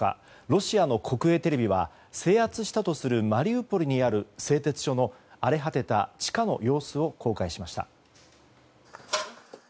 ロシアの国営テレビは制圧したとするマリウポリにある製鉄所の荒れ果てた地下の様子を公開しました。